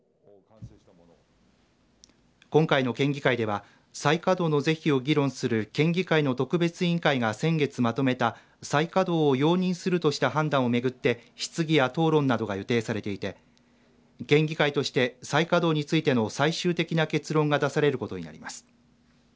今回の県議会では再稼働の是非を議論する県議会の特別委員会が先月まとめた再稼働を容認するとした判断をめぐって質疑や討論などが予定されていて県議会として再稼働についての最終的な結論が出されることになります。